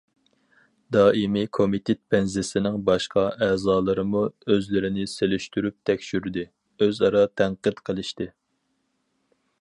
دائىمىي كومىتېت بەنزىسىنىڭ باشقا ئەزالىرىمۇ ئۆزلىرىنى سېلىشتۇرۇپ تەكشۈردى، ئۆزئارا تەنقىد قىلىشتى.